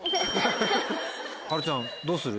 芭路ちゃんどうする？